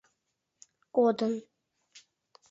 — Кодын.